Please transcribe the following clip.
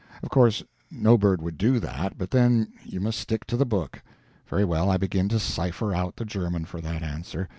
Of course no bird would do that, but then you must stick to the book. Very well, I begin to cipher out the German for that answer.